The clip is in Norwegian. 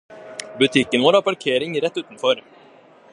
Butikken vår har parkering rett utenfor.